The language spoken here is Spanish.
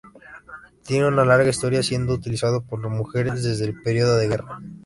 Tiene una larga historia, siendo utilizado por mujeres desde el periodo de guerra.